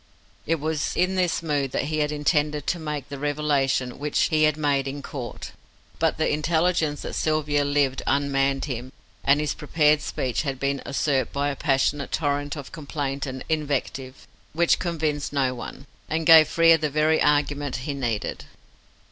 It was in this mood that he had intended to make the revelation which he had made in Court, but the intelligence that Sylvia lived unmanned him, and his prepared speech had been usurped by a passionate torrent of complaint and invective, which convinced no one, and gave Frere the very argument he needed.